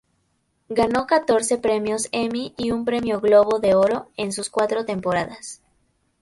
Ganó catorce Premios Emmy y un Premio Globo de Oro en sus cuatro temporadas.